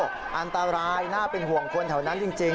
คุณผู้ชมบอกว่าโอ้โหอันตรายน่าเป็นห่วงคนแถวนั้นจริง